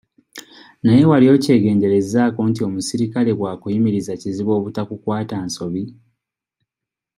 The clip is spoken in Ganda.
Naye wali okyegenderezzaako nti omusirikale bw'akuyimiriza kizibu obutakukwata nsobi?